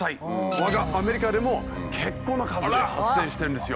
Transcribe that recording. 我がアメリカでも結構な数発生してるんですよ。